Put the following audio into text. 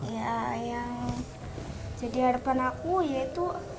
ya yang jadi harapan aku yaitu